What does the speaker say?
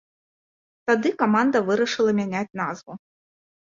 Тады каманда вырашыла мяняць назву.